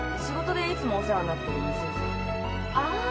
仕事でいつもお世話になってる美鈴さん。